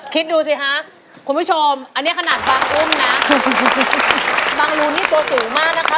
คิดดูสิคะคุณผู้ชมอันนี้ขนาดบางอุ้มนะบางรูนี่ตัวสูงมากนะคะ